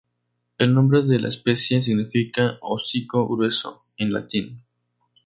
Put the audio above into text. El nombre de la especie significa "hocico grueso" en latín.